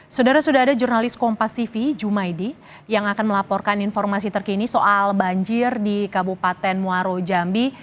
saudara sudah ada jurnalis kompas tv jumaidi yang akan melaporkan informasi terkini soal banjir di kabupaten muaro jambi